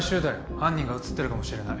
犯人が映ってるかもしれない。